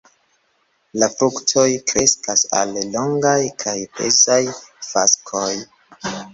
La fruktoj kreskas al longaj kaj pezaj faskoj.